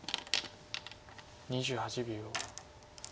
２８秒。